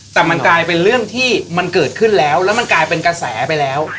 แต่มันกลายเป็นเรื่องที่มันเกิดขึ้นแล้วแล้วมันกลายเป็นกระแสไปแล้ว